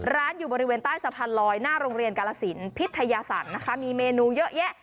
อยู่บริเวณใต้สะพานลอยหน้าโรงเรียนกาลสินพิทยาศรนะคะมีเมนูเยอะแยะ